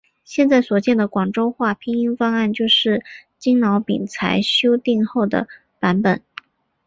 现在所见的广州话拼音方案就是经饶秉才修订后的版本。